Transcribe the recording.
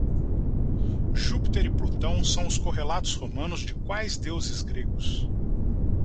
Júpiter e Plutão são os correlatos romanos de quais deuses gregos?